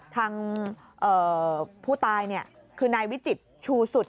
ทางผู้ตายคือนายวิจิตชูสุด